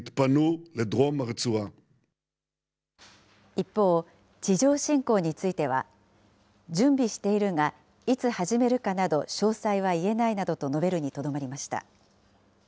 一方、地上侵攻については、準備しているが、いつ始めるかなど詳細は言えないなどと述べるにとどまりました。